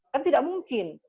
kan tidak mungkin